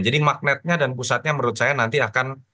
jadi magnetnya dan pusatnya menurut saya nanti akan